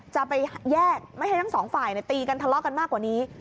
จะไปแยกไม่ให้ทั้งสองฝ่ายตีกันทะเลาะกันมากกว่านี้